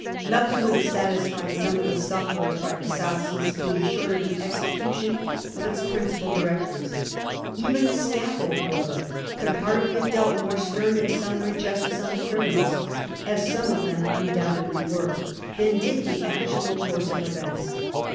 Nothing would have satisfied some of the sufferers by the South Sea scheme short of the execution of its principal directors. Even the scaffold, however, could hardly have dealt more stem and summary justice on the criminals — as some of them undoubtedly were — ^than did the actual course of events.